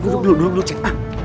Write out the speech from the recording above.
duduk duduk duduk cik